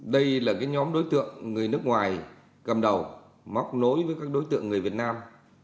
đây là nhóm đối tượng người nước ngoài cầm đầu móc nối với các đối tượng người việt nam